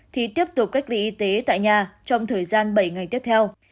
thì tiếp tục cách ly y tế tại nhà trong thời gian bảy ngày tiếp theo